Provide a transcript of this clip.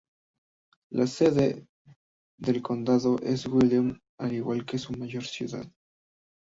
La sede del condado es Wellington, al igual que su mayor ciudad.